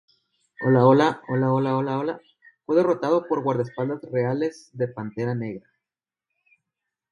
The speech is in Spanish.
Fue derrotado por guardaespaldas reales de Pantera Negra.